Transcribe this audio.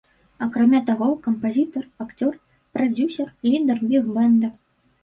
Акрамя таго, кампазітар, акцёр, прадзюсар, лідар біг-бэнда.